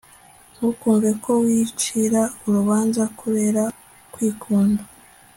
ntukumve ko wicira urubanza kubera kwikunda